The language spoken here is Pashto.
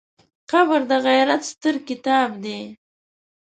قبر د عبرت ستر کتاب دی.